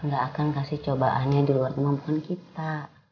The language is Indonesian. gak akan kasih cobaannya di luar teman teman kita